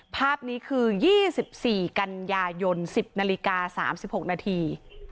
ภาพนี้คือ๒๔กันยายน๑๐นาฬิกา๓๖นาที